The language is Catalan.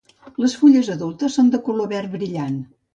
Les fulles adultes són de color verd brillant.